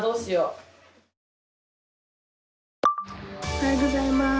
おはようございます。